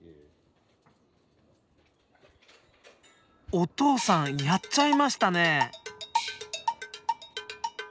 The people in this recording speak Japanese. おとうさんやっちゃいましたね。